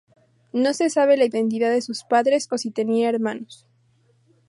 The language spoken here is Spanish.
No se sabe la identidad de sus padres o si tenía hermanos.